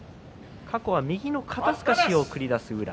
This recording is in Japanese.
過去は右の肩すかしを繰り出す宇良。